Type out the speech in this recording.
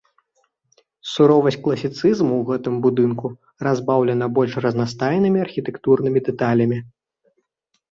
Суровасць класіцызму ў гэтым будынку разбаўлена больш разнастайнымі архітэктурнымі дэталямі.